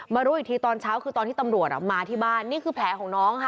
รู้อีกทีตอนเช้าคือตอนที่ตำรวจมาที่บ้านนี่คือแผลของน้องค่ะ